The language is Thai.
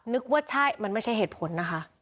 นึกว่าใช่มันไม่ใช่เหตุผลนะคะ